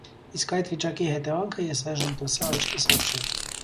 Իսկ այդ վիճակի հետևանքը ես այժմ տեսա աչքիս առջև: